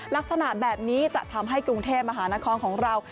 ลักษณะแบบนี้จะทำให้กรุงเทพมหานครของเรา